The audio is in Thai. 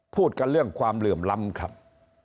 พูดกันเรื่องความเหลื่อมล้ำครับ